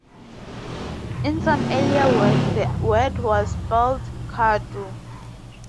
In some earlier work the word was spelled 'kardu'.